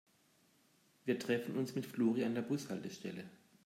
Wir treffen uns mit Flori an der Bushaltestelle.